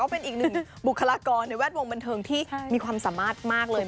เป็นอีกหนึ่งบุคลากรในแวดวงบันเทิงที่มีความสามารถมากเลย